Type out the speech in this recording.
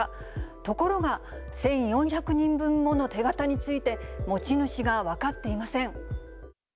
ところが、１４００人分もの手形について、持ち主が分かっていません。